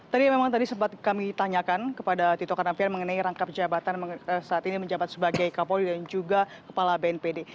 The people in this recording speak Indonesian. tadi memang tadi sempat kami tanyakan kepada tito karnavian mengenai rangkap jabatan saat ini menjabat sebagai kapolri dan juga kepala bnpd